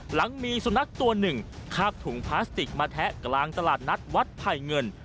หลังมีสุนัขตัวหนึ่งคาบถุงพลาสติกมาแทะกลางตลาดนัดวัดไผ่เงิน